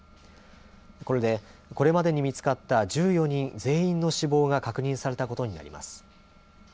これで、これまでに見つかった１４人全員の死亡が確認されたことになります。